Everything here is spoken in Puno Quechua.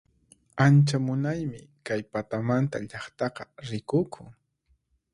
Ancha munaymi kay patamanta llaqtaqa rikukun